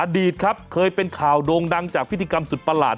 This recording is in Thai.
อดีตครับเคยเป็นข่าวโด่งดังจากพิธีกรรมสุดประหลาด